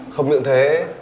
không những thế